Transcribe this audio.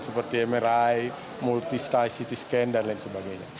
seperti mri multi style ct scan dan lain sebagainya